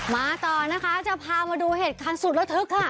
มาต่อนะคะจะพามาดูเหตุการณ์สุดระทึกค่ะ